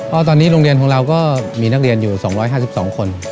ก็ตอนนี้โรงเรียนของเราก็มีนักเรียนอยู่๒๕๒คน